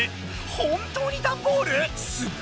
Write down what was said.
本当にダンボール⁉すっご。